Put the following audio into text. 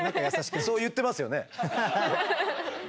そう言ってますよね？